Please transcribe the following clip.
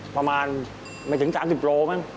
ประมาณไม่ถึง๓๐กิโลกรัมมัน